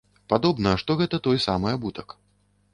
Падобна, што гэта той самы абутак.